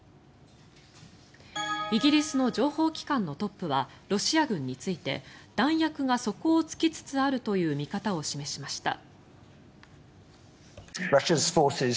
イギリスの情報機関のトップはロシア軍について弾薬が底を突きつつあるという見方を示しました。